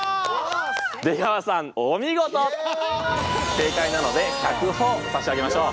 正解なので１００ほぉ差し上げましょう。